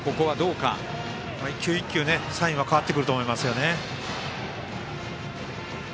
一球一球、サインが変わってくると思います。